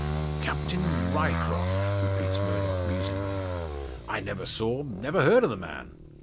"Captain Ryecroft!" repeats Murdock, musingly; "I never saw never heard of the man!"